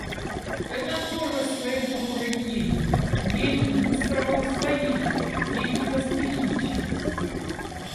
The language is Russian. Это тоже своего рода гений, гений быстрого усвоения, гений восприимчивости.